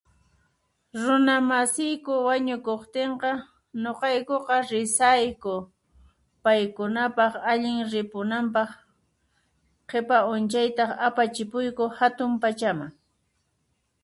Runamasiyku wañukuqtinqa, ñuqaykuqa risayku, paykunapaq allin ripunanpaq qhipa unchaytaq apachipuyku hatun pachaman